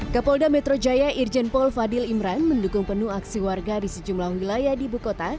kapolda metro jaya irjen paul fadil imran mendukung penuh aksi warga di sejumlah wilayah di ibu kota